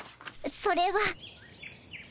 それは」。